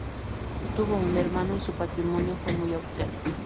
Tuvo un hermano y su patrimonio fue muy austero.